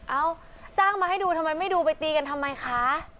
เอ้าจ้างมาให้ดูทำไมไม่ดูไปตีกันทำไมคะ